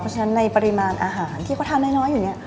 เพราะฉะนั้นในปริมาณอาหารที่เขาทานน้อยอยู่เนี่ย